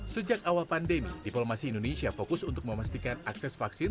sejak awal pandemi diplomasi indonesia fokus untuk memastikan akses vaksin